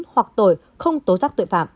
hoặc tội không tố rắc tội phạm